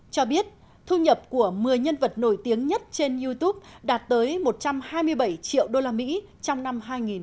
cho biết thu nhập của một mươi nhân vật nổi tiếng nhất trên youtube đạt tới một trăm hai mươi bảy triệu usd trong năm hai nghìn một mươi chín